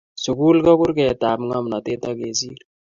Sukul ko kurketap ngomnotet ak kesir